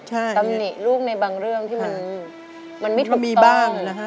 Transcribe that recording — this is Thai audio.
ตำหนิลูกในบางเรื่องที่มันไม่ถูกต้อง